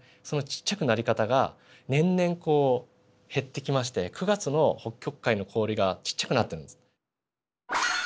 そのちっちゃくなり方が年々こう減ってきまして９月の北極海の氷がちっちゃくなってるんです。